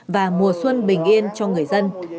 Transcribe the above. và mùa xuân bình yên cho người dân